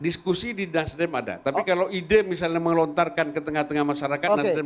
diskusi di nasdem ada tapi kalau ide misalnya melontarkan ke tengah tengah masyarakat nasdem